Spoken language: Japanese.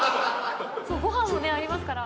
ご飯もねありますから。